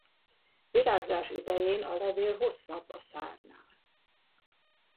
Virágzás idején a levél hosszabb a szárnál.